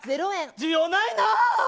需要ないなあ。